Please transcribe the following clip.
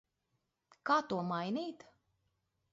Kā to mainīt?